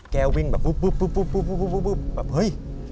วิ่งแบบปุ๊บแบบเฮ้ย